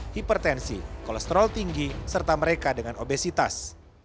hipertensi kolesterol tinggi serta mereka dengan obesitas